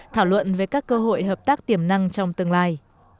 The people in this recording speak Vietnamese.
thảo luận về các cơ hội hợp tác tiềm năng trong tương lai